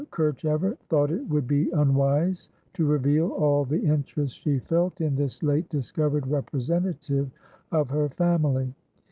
Kerchever thought it would be unwise to reveal all the interest she felt in this late discovered representative of her family.